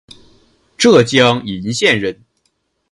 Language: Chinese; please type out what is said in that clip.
浙江鄞县人。